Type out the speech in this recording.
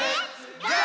ゴー！。